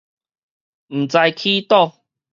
毋知起倒